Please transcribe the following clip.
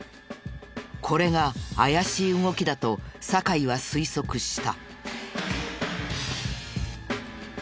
これが怪しい動きだと酒井は推測した。